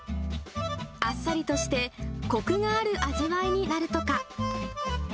あっさりとして、こくがある味わいになるとか。